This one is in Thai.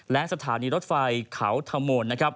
และสถานีรถไฟขาวธรรมน์